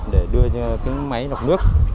để đưa máy lọc nước